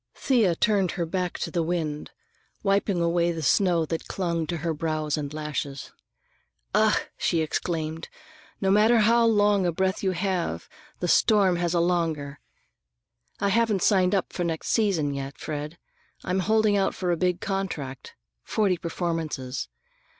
Thea turned her back to the wind, wiping away the snow that clung to her brows and lashes. "Ugh!" she exclaimed; "no matter how long a breath you have, the storm has a longer. I haven't signed for next season, yet, Fred. I'm holding out for a big contract: forty performances.